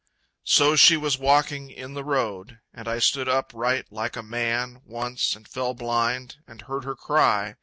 So she was walking in the road. And I stood upright like a man, Once, and fell blind, and heard her cry...